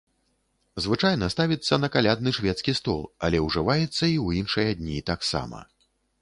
Звычайна ставіцца на калядны шведскі стол, але ўжываецца і ў іншыя дні таксама.